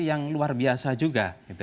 yang luar biasa juga